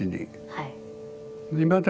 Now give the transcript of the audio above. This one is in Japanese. はい。